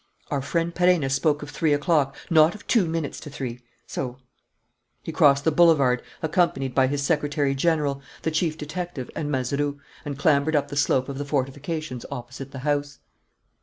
"Our friend Perenna spoke of three o'clock, not of two minutes to three. So " He crossed the boulevard, accompanied by his secretary general, the chief detective, and Mazeroux, and clambered up the slope of the fortifications opposite the house.